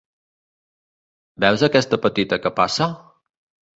Veus aquesta petita que passa?